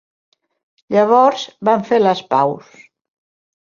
Llavors van fer les paus.